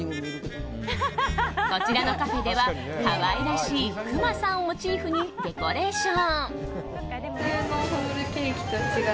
こちらのカフェでは可愛らしいくまさんをモチーフにデコレーション。